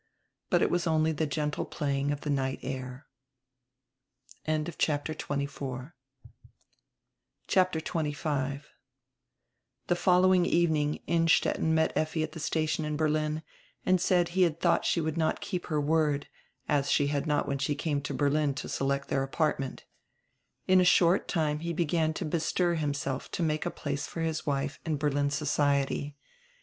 But it was only die gentle playing of the night air. CHAPTER XXV [THE following evening Innstetten met Effi at the sta tion in Berlin and said he had thought she would not keep her word, as she had not when she came to Berlin to select their apartment In a short time he began to bestir him self to make a place for Iris wife in Berlin society.